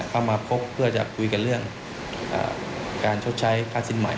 เข้ามาพบเพื่อจะคุยกันเรื่องการชดใช้ค่าสินใหม่